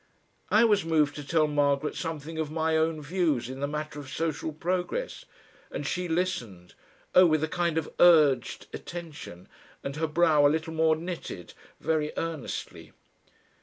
I was moved to tell Margaret something of my own views in the matter of social progress, and she listened oh! with a kind of urged attention, and her brow a little more knitted, very earnestly.